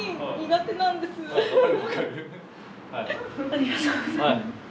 ありがとうございます。